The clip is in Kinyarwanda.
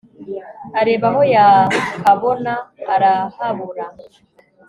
areba aho yakabona, arahabura